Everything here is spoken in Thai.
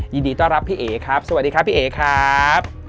ยินดีต้อนรับพี่เอ๋ครับสวัสดีครับพี่เอ๋ครับ